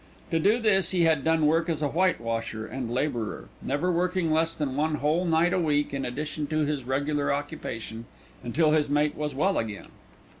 To do this he had done work as a whitewasher and labourer, never working less than one whole night a week in addition to his regular occupation, until his mate was well again.